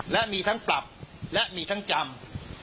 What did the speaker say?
และมีทั้งปรับและมีทั้งจำ